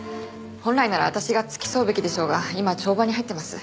本来なら私が付き添うべきでしょうが今帳場に入ってます。